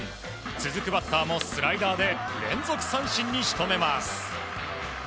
続くバッターもスライダーで連続三振に仕留めます。